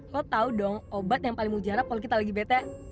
lo tahu dong obat yang paling mujarab kalau kita lagi bete